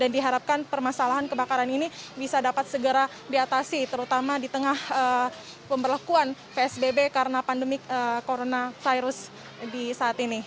diharapkan permasalahan kebakaran ini bisa dapat segera diatasi terutama di tengah pemberlakuan psbb karena pandemi coronavirus di saat ini